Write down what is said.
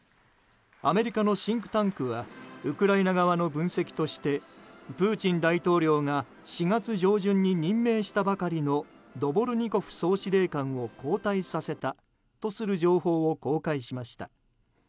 アメリカのシンクタンクはウクライナ側の分析としてプーチン大統領が４月上旬に任命したばかりのドボルニコフ総司令官を交代させたとする情報を公開しました。